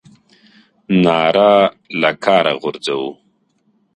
ناره له کاره غورځوو.